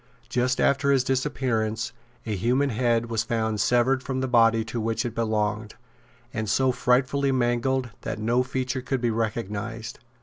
Just after his disappearance, a human head was found severed from the body to which it belonged, and so frightfully mangled that no feature could be recognised.